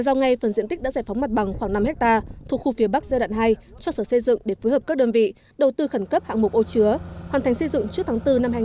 giao ngay phần diện tích đã giải phóng mặt bằng khoảng năm hectare thuộc khu phía bắc giai đoạn hai cho sở xây dựng để phối hợp các đơn vị đầu tư khẩn cấp hạng mục ô chứa hoàn thành xây dựng trước tháng bốn năm hai nghìn hai mươi